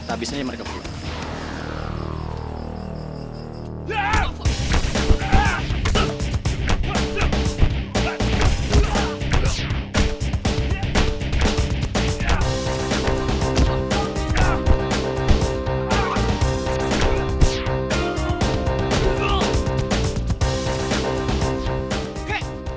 abis ini mereka pulang